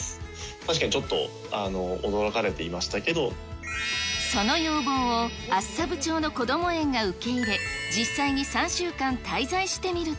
確かにちょっと、その要望を厚沢部町のこども園が受け入れ、実際に３週間滞在して見ると。